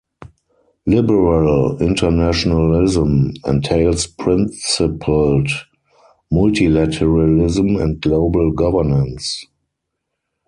Liberal internationalism entails principled multilateralism and global governance.